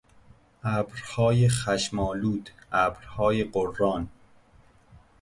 ابرهای خشمآلود، ابرهای غران